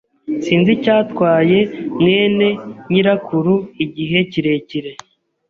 Sinzi icyatwaye mwene nyirakuru igihe kirekire.